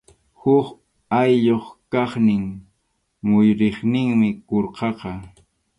Huk ayllup kaqnin muyuriqninmi qurqaqa.